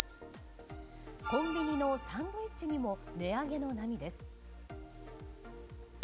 コンビニのサンドイッチにも値上げの波です。